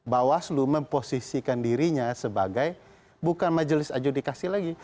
bawaslu memposisikan dirinya sebagai bukan majelis adjudikasi lagi